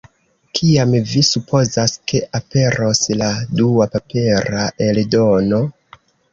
Kiam vi supozas, ke aperos la dua papera eldono?